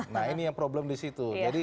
nah ini yang problem di situ